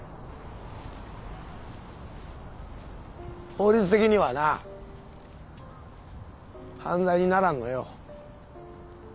法律的にはな犯罪にならんのよ。